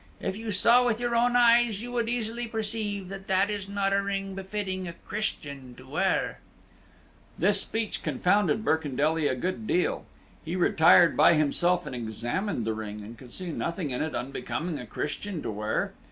If you saw with your own eyes, you would easily perceive that that is not a ring befitting a Christian to wear." This speech confounded Birkendelly a good deal. He retired by himself and examined the ring, and could see nothing in it unbecoming a Christian to wear.